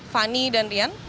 fani dan rian